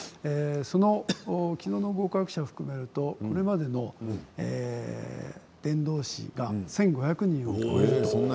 きのうの合格者を含めるとこれまでのナマハゲ伝道士が１５００人を超えます。